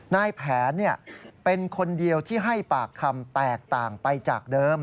นายแผนเป็นคนเดียวที่ให้ปากคำแตกต่างไปจากเดิม